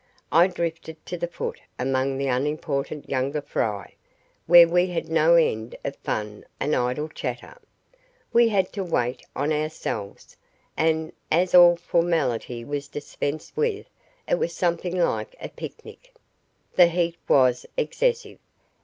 I drifted to the foot among the unimportant younger fry, where we had no end of fun and idle chatter. We had to wait on ourselves, and as all formality was dispensed with, it was something like a picnic. The heat was excessive.